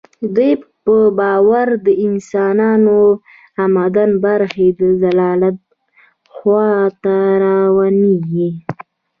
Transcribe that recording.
دوی په باور د انسانانو عمده برخه د ضلالت خوا ته روانیږي.